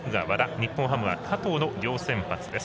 日本ハムは加藤の両先発です。